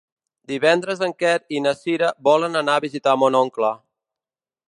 Divendres en Quer i na Cira volen anar a visitar mon oncle.